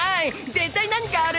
絶対何かある。